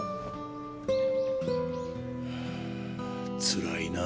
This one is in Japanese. つらいな。